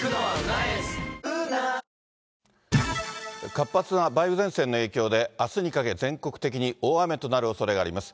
活発な梅雨前線の影響で、あすにかけ全国的に大雨となるおそれがあります。